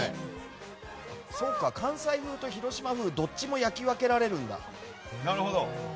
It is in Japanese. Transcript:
そうか、関西風と広島風のどっちも焼き分けられるね。